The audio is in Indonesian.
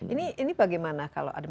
ini bagaimana kalau ada